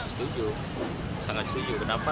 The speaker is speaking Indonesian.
setuju sangat setuju kenapa